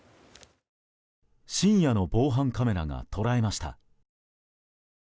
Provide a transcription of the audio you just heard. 深夜の防犯カメラが捉えました。